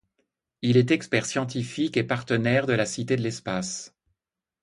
Il est expert scientifique et partenaire de la Cité de l'espace.